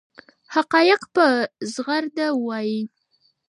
حقایق په زغرده وایي.